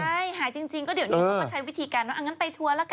ใช่หายจริงก็เดี๋ยวนี้เขาก็ใช้วิธีการว่างั้นไปทัวร์ละกัน